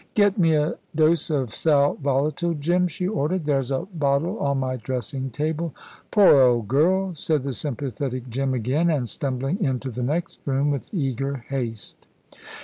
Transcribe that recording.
"Get me a dose of sal volatile, Jim," she ordered. "There's a bottle on my dressing table." "Poor old girl," said the sympathetic Jim, again, and stumbling into the next room with eager haste.